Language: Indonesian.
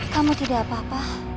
kamu tidak apa apa